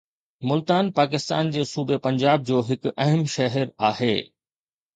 ملتان پاڪستان جي صوبي پنجاب جو هڪ اهم شهر آهي